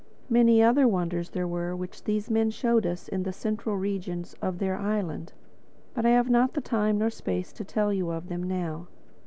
Many other wonders there were which these men showed us in the central regions of their island. But I have not time or space to tell you of them now.